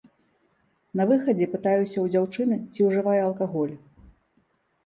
На выхадзе пытаюся ў дзяўчыны, ці ўжывае алкаголь.